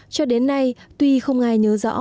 cho đến nay tuy không ai nhớ rõ